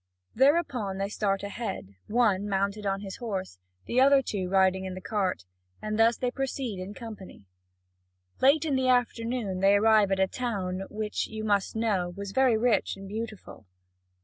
(Vv. 399 462.) Thereupon they start ahead, one mounted on his horse, the other two riding in the cart, and thus they proceed in company. Late in the afternoon they arrive at a town, which, you must know, was very rich and beautiful.